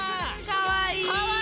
かわいい！